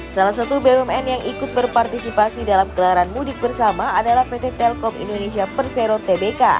salah satu bumn yang ikut berpartisipasi dalam kelaran mudik bersama adalah pt telkom indonesia persero tbk